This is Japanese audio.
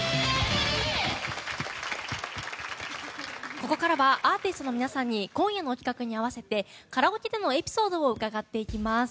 ここからはアーティストの皆さんに今夜の企画に合わせてカラオケでのエピソードを伺っていきます。